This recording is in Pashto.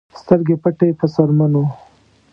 سترګې پټې په څرمنو